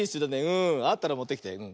あったらもってきて。